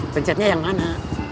pencetnya yang mana